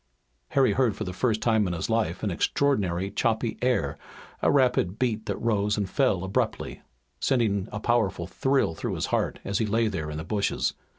Harry heard for the first time in his life an extraordinary, choppy air, a rapid beat that rose and fell abruptly, sending a powerful thrill through his heart as he lay there in the bushes.